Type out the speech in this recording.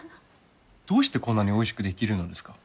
どうしてこんなにおいしくできるのですか？